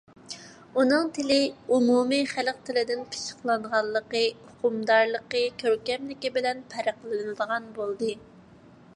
ئۇنىڭ تىلى ئومۇمىي خەلق تىلىدىن پىششىقلانغانلىقى، ئۇقۇمدارلىقى، كۆركەملىكى بىلەن پەرقلىنىدىغان بولدى.